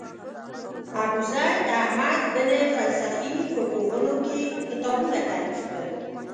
ابوزید احمد بن فلسفي په پوهنو کې کتابونه تالیف کړل.